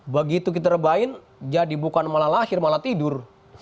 begitu kita rebahin jadi bukan malah lahir malah tidur